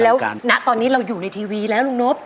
แล้วณตอนนี้เราอยู่ในทีวีแล้วลุงนบ